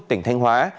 tỉnh thanh hóa